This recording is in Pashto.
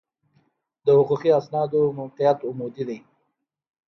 د حقوقي اسنادو موقعیت عمودي دی.